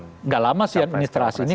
tidak lama sih administrasi